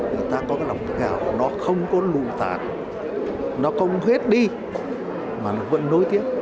người ta có cái lòng tự hào nó không có nụ tản nó không huyết đi mà nó vẫn nối tiếp